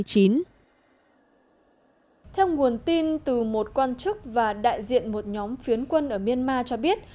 theo nguồn tin từ một quan chức và đại diện một nhóm phiến quân ở myanmar cho biết